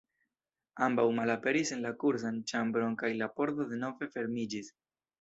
Ambaŭ malaperis en la kursan ĉambron kaj la pordo denove fermiĝis.